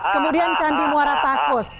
kemudian candi muara takus